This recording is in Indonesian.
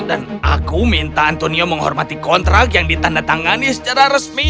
dan aku minta antonio menghormati kontrak yang ditandatangani secara resmi